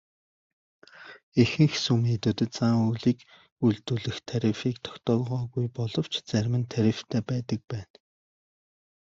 Ихэнх сүм хийдүүдэд зан үйлийг үйлдүүлэх тарифыг тогтоогоогүй боловч зарим нь тарифтай байдаг байна.